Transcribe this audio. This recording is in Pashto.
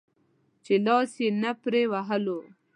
چې لاس يې نه پرې وهلو.